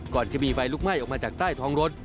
ก่อนจะมีไฟลุกไหม้ออกมาจากใต้ท้องรถ